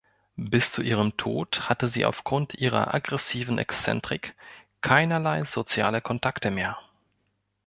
Bis zu ihrem Tod hatte sie aufgrund ihrer aggressiven Exzentrik keinerlei soziale Kontakte mehr.